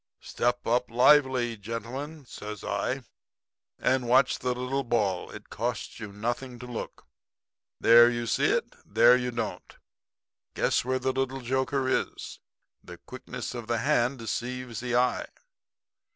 "'Step up lively, gentlemen,' says I, 'and watch the little ball. It costs you nothing to look. There you see it, and there you don't. Guess where the little joker is. The quickness of the hand deceives the eye.